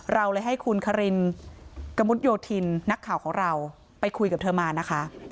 เราเลยให้คุณคารินกระมุดโยธินนักข่าวของเราไปคุยกับเธอมานะคะ